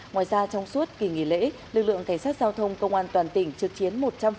ngoài ra trong suốt kỳ nghỉ lễ lực lượng cảnh sát giao thông công an toàn tỉnh trực chiến một trăm linh